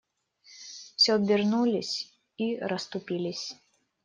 Все обернулись и расступились.